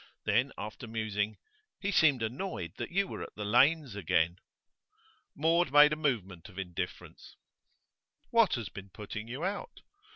Then, after musing, 'He seemed annoyed that you were at the Lanes' again.' Maud made a movement of indifference. 'What has been putting you out?